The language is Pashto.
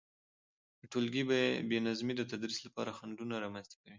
د تولګي بي نظمي د تدريس لپاره خنډونه رامنځته کوي،